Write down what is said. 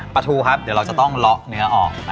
ปูครับเดี๋ยวเราจะต้องเลาะเนื้อออก